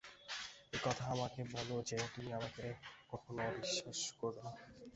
–এই কথা আমাকে বলো যে, তুমি আমাকে কখনো অবিশ্বাস করিবে না।